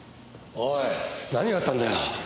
おい何があったんだよ？